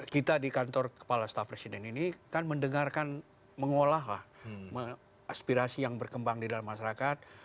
kita di kantor kepala staf presiden ini kan mendengarkan mengolahlah aspirasi yang berkembang di dalam masyarakat